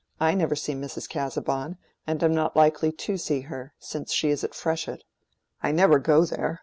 I never see Mrs. Casaubon, and am not likely to see her, since she is at Freshitt. I never go there.